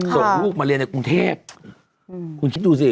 ส่งลูกมาเรียนในกรุงเทพคุณคิดดูสิ